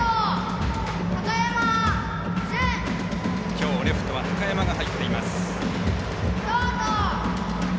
きょう、レフトは高山が入っています。